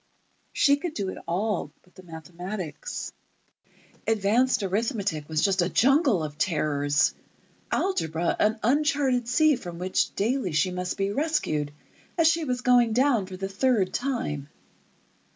She could do it all but the mathematics. Advanced arithmetic was just a jungle of terrors, algebra an uncharted sea from which daily she must be rescued as she was going down for the third time.